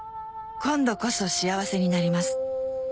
「今度こそ幸せになります」